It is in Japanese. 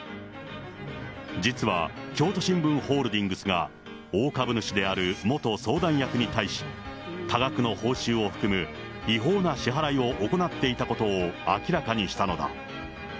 実は京都新聞ホールディングスが大株主である元相談役に対し、多額の報酬を含む違法な支払いを行っていたことを明らかにしたのだ。